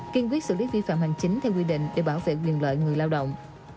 kiên quyết xử lý vi phạm hành chính theo quy định để bảo vệ quyền lợi người lao động